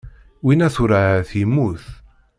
Winna tura ahat yemmut.